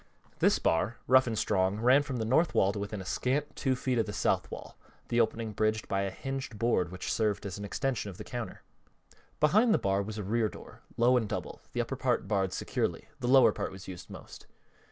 This bar, rough and strong, ran from the north wall to within a scant two feet of the south wall, the opening bridged by a hinged board which served as an extension to the counter. Behind the bar was a rear door, low and double, the upper part barred securely the lower part was used most.